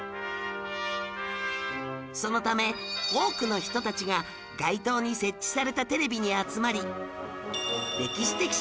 そのため多くの人たちが街頭に設置されたテレビに集まり